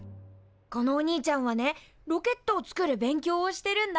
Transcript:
このおにいちゃんはねロケットをつくる勉強をしてるんだ。